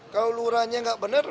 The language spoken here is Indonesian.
kalau lurahnya nggak benar